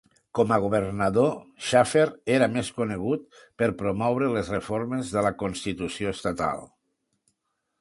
Com a governador, Shafer era més conegut per promoure les reformes de la Constitució estatal.